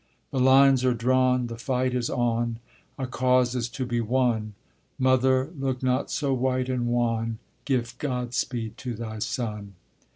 The lines are drawn! The fight is on! A cause is to be won! Mother, look not so white and wan; Give Godspeed to thy son.